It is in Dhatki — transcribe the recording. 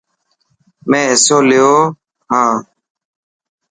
مين حصو ليو هان.